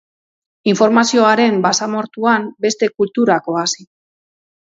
Informazioaren basamortuan, beste kulturak oasi.